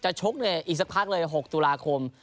ชกในอีกสักพักเลย๖ตุลาคม